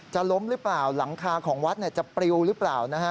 จะล้มหรือเปล่าหลังคาของวัดจะเปรียวหรือเปล่า